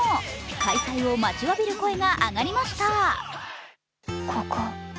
開催を待ちわびる声が上がりました。